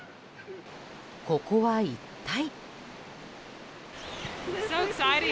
ここは一体？